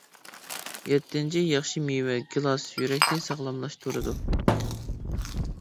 يەتتىنچى ياخشى مېۋە: گىلاس، يۈرەكنى ساغلاملاشتۇرىدۇ.